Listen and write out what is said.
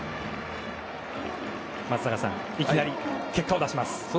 松坂さん、いきなり結果を出します。